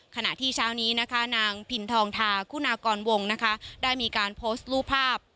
ขณะที่เช้านี้นะคะนางพินทองทาคุณากรวงนะคะได้มีการโพสต์รูปภาพ